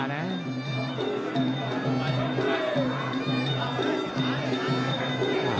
ส่วนคู่ต่อไปของกาวสีมือเจ้าระเข้ยวนะครับขอบคุณด้วย